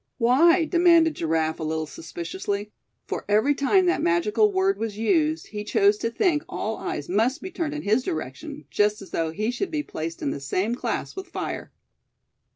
"Why?" demanded Giraffe, a little suspiciously; for every time that magical word was used he chose to think all eyes must be turned in his direction; just as though he should be placed in the same class with fire.